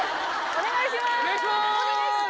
お願いしますー！